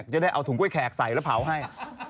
จะได้เอาถุงกล้วแขกใส่แล้วเผาให้